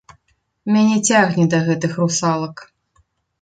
Мяне цягне да гэтых русалак.